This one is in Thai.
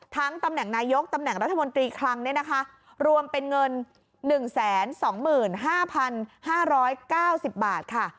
ตำแหน่งนายกตำแหน่งรัฐมนตรีคลังเนี่ยนะคะรวมเป็นเงิน๑๒๕๕๙๐บาทค่ะ